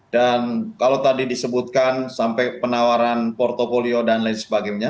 dan kalau tadi disebutkan sampai penawaran portfolio dan lain sebagainya